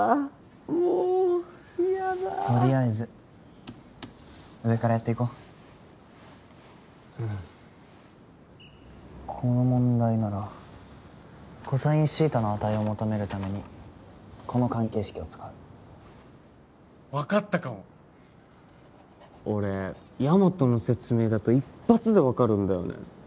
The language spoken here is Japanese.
もう嫌だとりあえず上からやっていこううんこの問題ならコサインシータの値を求めるためにこの関係式を使う分かったかも俺ヤマトの説明だと一発で分かるんだよね